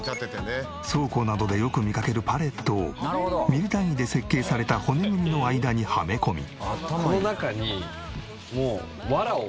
倉庫などでよく見かけるパレットをミリ単位で設計された骨組みの間にはめ込み。